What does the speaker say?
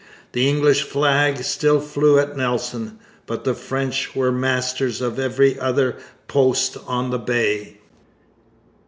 The English flag still flew at Nelson; but the French were masters of every other post on the Bay.